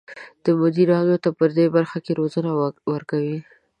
دا مدیرانو ته پدې برخه کې روزنه ورکوي.